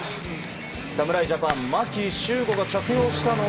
侍ジャパン、牧秀悟が着用したのは